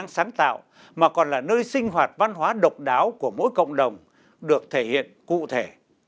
sáng tạo mà còn là nơi sinh hoạt văn hóa độc đáo của mỗi cộng đồng được thể hiện cụ thể